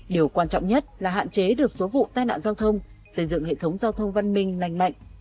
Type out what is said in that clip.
điều quan trọng nhất là hạn chế được số vụ tai nạn giao thông xây dựng hệ thống giao thông văn minh lành mạnh